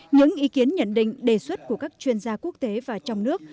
những ý kiến nhận định đề xuất của các chuyên gia quốc tế và trong nước